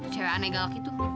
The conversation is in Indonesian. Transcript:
cewe aneh galak itu